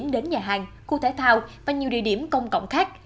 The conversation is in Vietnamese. đến nhà hàng khu thể thao và nhiều địa điểm công cộng khác